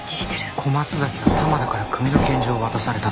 小松崎は玉田から組の拳銃を渡されたと。